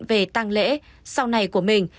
về tăng lễ sau này của mình